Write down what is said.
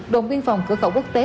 đồn biên phòng cửa khẩu quốc tế